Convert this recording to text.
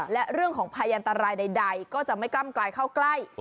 และเรื่องของพยันตรายใดก็จะไม่กล้ำกลายเข้าใกล้